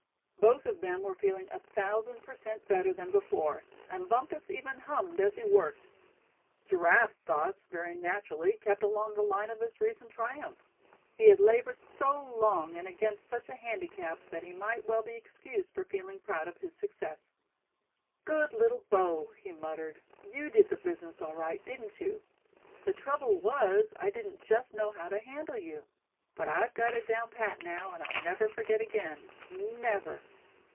Both of them were feeling a thousand per cent better than before; and Bumpus even hummed as he worked. Giraffe's thoughts very naturally kept along the line of his recent triumph. He had labored so long, and against such a handicap, that he might well be excused for feeling proud of his success. "Good little bow!" he muttered; "you did the business, all right, didn't you? The trouble was, I didn't just know how to handle you; but I've got it down pat now, and I'll never forget again, never.